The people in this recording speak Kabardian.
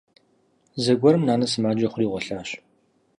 Зэгуэрым нанэ сымаджэ хъури гъуэлъащ.